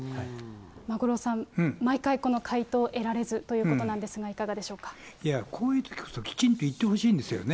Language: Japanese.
五郎さん、毎回、この回答を得られずということなんですが、こういうときこそきちんと言ってほしいんですよね。